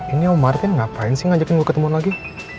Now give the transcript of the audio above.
ini om martin ngapain sih ngajakin gue ketemu lagi